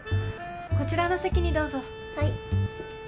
こちらの席にどうぞ。